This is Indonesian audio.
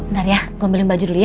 ntar ya gue ambilin baju dulu ya